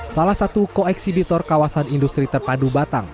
salah satu koeksibitor kawasan industri terpadu batang